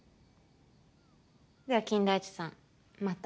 では金田一さんまた。